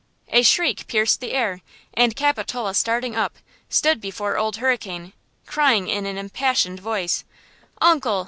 A shriek pierced the air, and Capitola starting up, stood before Old Hurricane, crying in an impassioned voice: "Uncle!